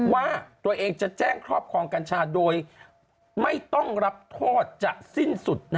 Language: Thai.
ว่าตัวเองจะแจ้งครอบครองกัญชาโดยไม่ต้องรับโทษจะสิ้นสุด